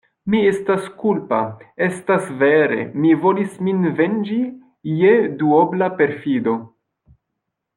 Mi estas kulpa; estas vere: mi volis min venĝi je duobla perfido.